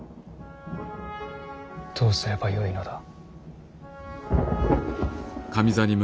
どうすればよいのだ。